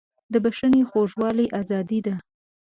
د بښنې خوږوالی ازادي ده.